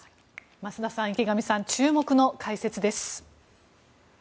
増田さん、池上さん注目の解説です。